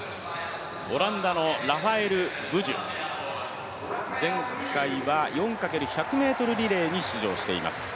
オランダのラファエル・ブジュ、前回は４×１００ｍリレーに出場しています。